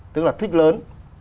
tức là thích lớn